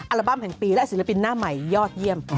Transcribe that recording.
บั้มแห่งปีและศิลปินหน้าใหม่ยอดเยี่ยม